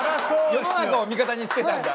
世の中を味方につけたんだ。